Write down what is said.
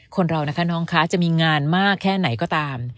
คนเรานะคะน้องคะจะมีงานมากแค่ไหนก็ตาม